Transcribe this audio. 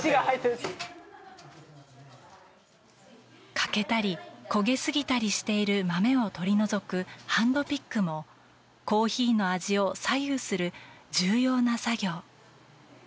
欠けたり焦げすぎたりしている豆を取り除くハンドピックもコーヒーの味を左右する重要な作業。